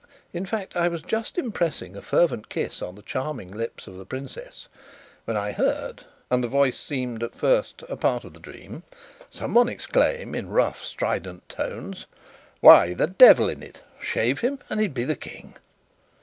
In fact, I was just impressing a fervent kiss on the charming lips of the princess, when I heard (and the voice seemed at first a part of the dream) someone exclaim, in rough strident tones. "Why, the devil's in it! Shave him, and he'd be the King!"